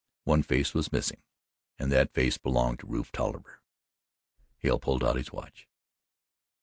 One face was missing, and that face belonged to Rufe Tolliver. Hale pulled out his watch.